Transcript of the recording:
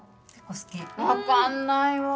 分かんないわ。